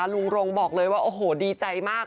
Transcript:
รงบอกเลยว่าโอ้โหดีใจมาก